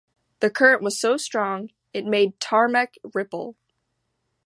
The current was so strong, it made tarmac ripple.